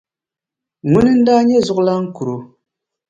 Ŋuni n daa nyɛ zuɣulan kuro.